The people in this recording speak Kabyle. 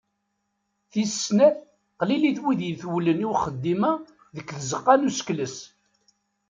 Tis snat, qlilit wid itewlen i uxeddim-a deg tzeqqa n usekles.